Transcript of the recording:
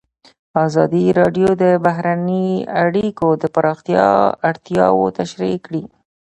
ازادي راډیو د بهرنۍ اړیکې د پراختیا اړتیاوې تشریح کړي.